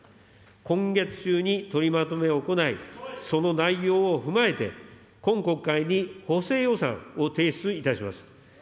今月中に取りまとめを行い、その内容を踏まえて、今国会に補正予算を提出いたします。